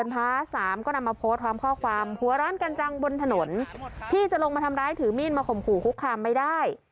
สามก็นำมาโพสต์พร้อมข้อความหัวร้อนกันจังบนถนนพี่จะลงมาทำร้ายถือมีดมาข่มขู่คุกคามไม่ได้